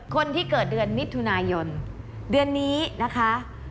คนที่เกิดเดือนมิถุนายนเดือนนี้นะคะ